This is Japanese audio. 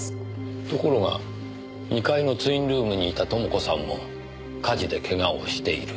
ところが２階のツインルームにいた朋子さんも火事で怪我をしている。